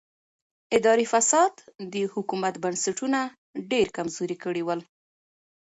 اداري فساد د حکومت بنسټونه ډېر کمزوري کړي ول.